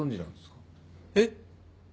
えっ？